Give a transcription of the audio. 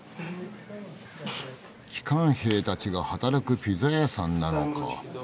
帰還兵たちが働くピザ屋さんなのか。